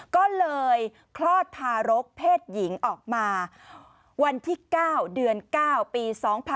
ก็เลยคลอดทารกเพศหญิงออกมาวันที่๙เดือน๙ปี๒๕๖๒